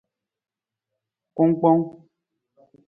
Kungkpong.